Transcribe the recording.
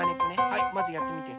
はいまずやってみて。